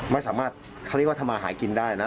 ไม่สามารถเขาเรียกว่าทำมาหากินได้นะ